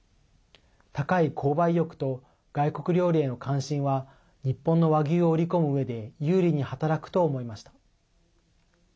高い購買意欲と外国料理への関心は日本の和牛を売り込むうえで有利に働くと思いました。